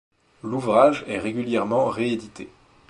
L'ouvrage est régulièrement réédité.